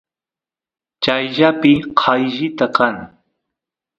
chayllapi qayllita kan